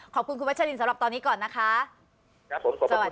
ขอบคุณคุณวัชลินสำหรับตอนนี้ก่อนนะคะครับผมขอบคุณ